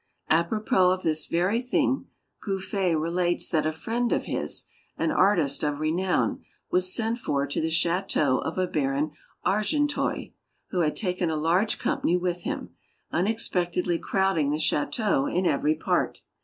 Apropos of this very thing Gouffé relates that a friend of his, an "artist" of renown, was sent for to the chateau of a Baron Argenteuil, who had taken a large company with him, unexpectedly crowding the chateau in every part.